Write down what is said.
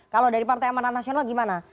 kalau dari partai amanah nasional bagaimana